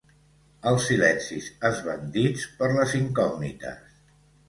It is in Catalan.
Els silencis esbandits per les incògnites.